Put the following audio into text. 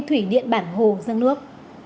thủy điện bản hồ dâng nước